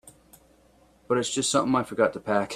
But it's just something I forgot to pack.